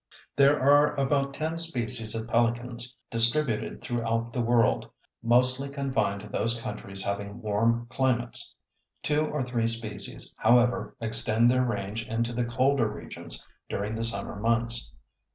There are about ten species of pelicans distributed throughout the world, mostly confined to those countries having warm climates. Two or three species, however, extend their range into the colder regions during the summer months.